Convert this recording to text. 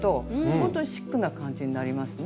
ほんとにシックな感じになりますね。